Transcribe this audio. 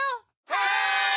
はい！